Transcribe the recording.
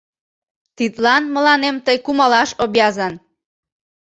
Тидлан мыланем тый кумалаш обязан...